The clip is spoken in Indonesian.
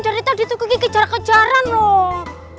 dari tadi tuh gigi kejar kejaran loh